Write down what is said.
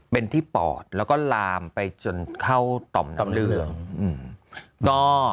เป็นที่ปอดแล้วก็ลามไปจนเข้าต่อมน้ำเหลือง